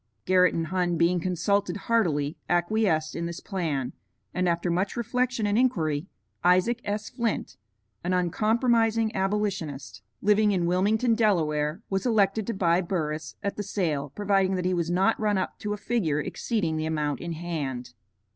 Garrett and Hunn being consulted heartily acquiesced in this plan, and after much reflection and inquiry, Isaac S. Flint, an uncompromising abolitionist, living in Wilmington, Delaware, was elected to buy Burris at the sale, providing that he was not run up to a figure exceeding the amount in hand.